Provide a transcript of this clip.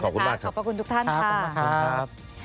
ขอบคุณมากค่ะขอบคุณทุกท่านค่ะขอบคุณครับ